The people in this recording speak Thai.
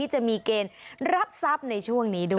จะมีเกณฑ์รับทรัพย์ในช่วงนี้ด้วย